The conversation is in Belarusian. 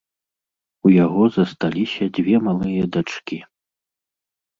У яго засталіся дзве малыя дачкі.